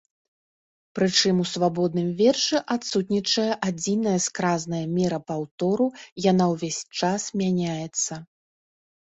Прычым у свабодным вершы адсутнічае адзіная скразная мера паўтору, яна ўвесь час мяняецца.